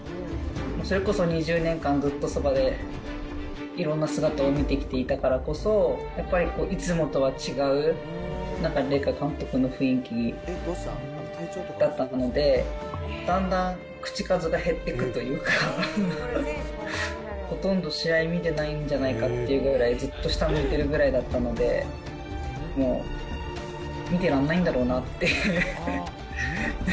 それこそ２０年間、ずっとそばでいろんな姿を見てきていたからこそ、やっぱり、いつもとは違う麗華監督の雰囲気だったので、だんだん口数が減っていくというか、ほとんど試合見てないんじゃないかっていうぐらい、ずっと下を向いてるぐらいだったので、もう見てらんないだろうなって。